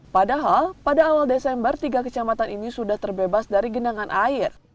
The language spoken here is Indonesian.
padahal pada awal desember tiga kecamatan ini sudah terbebas dari genangan air